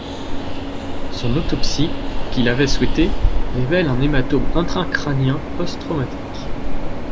Son autopsie, qu'il avait souhaitée, révèle un hématome intracrânien post-traumatique.